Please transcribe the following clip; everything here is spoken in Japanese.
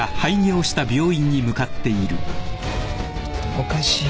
おかしい。